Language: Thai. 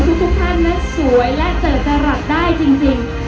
ทุกท่านนั้นสวยและเจอจรัสได้จริง